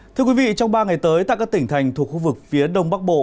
thưa quý vị trong ba ngày tới tại các tỉnh thành thuộc khu vực phía đông bắc bộ